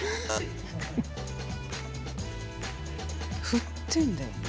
振ってんだよな。